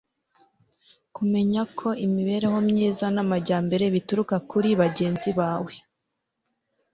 kumenya ko imibereho myiza n'amajyambere bituruka kuri bagenzi bawe